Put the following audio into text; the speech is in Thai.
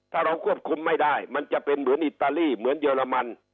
ถ้าเราควบคุมไม่ได้มันจะเป็นเหมือนอิตาลีเหมือนเยอรมัน